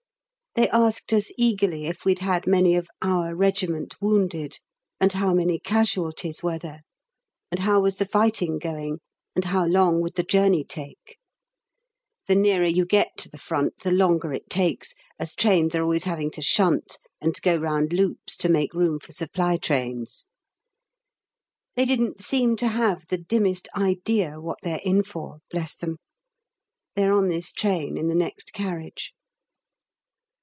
They asked us eagerly if we'd had many of "our regiment" wounded, and how many casualties were there, and how was the fighting going, and how long would the journey take. (The nearer you get to the Front the longer it takes, as trains are always having to shunt and go round loops to make room for supply trains.) They didn't seem to have the dimmest idea what they're in for, bless them. They are on this train in the next carriage.